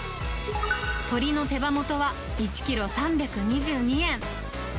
鶏の手羽元は１キロ３２２円。